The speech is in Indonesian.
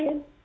kalau ade apa